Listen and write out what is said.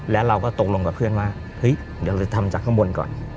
แล้วเราก็ตกลงกับเพื่อนว่าเฮ้ยเดี๋ยวทำจากข้างบนก่อน